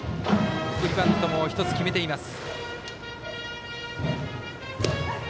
送りバントも１つ決めています。